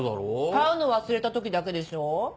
買うの忘れた時だけでしょう？